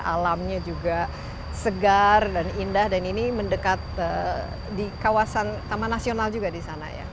alamnya juga segar dan indah dan ini mendekat di kawasan taman nasional juga di sana ya